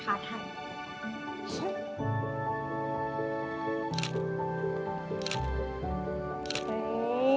ขาดให้